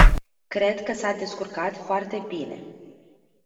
Cred că s-a descurcat foarte bine.